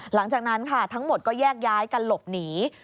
หลังจากนั้นค่ะทั้งหมดก็แยกย้ายกันหลบหนี